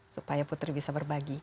supaya putri bisa berbagi